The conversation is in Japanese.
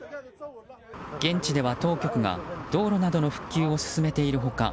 現地では、当局が道路などの復旧を進めている他